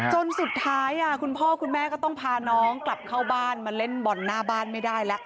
จนสุดท้ายคุณพ่อคุณแม่ก็ต้องพาน้องกลับเข้าบ้านมาเล่นบอลหน้าบ้านไม่ได้แล้ว